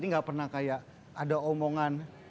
ini gak pernah kayak ada omongan